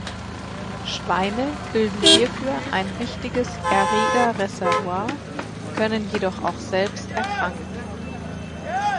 Schweine bilden hierfür ein wichtiges Erregerreservoir, können jedoch auch selbst erkranken.